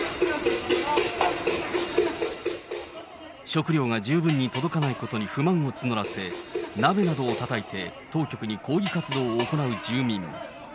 食料が十分に届かないことに不満を募らせ、鍋などをたたいて、当局に抗議活動を行う住民。